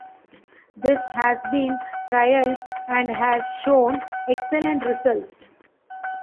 This has been trialled and has shown excellent results.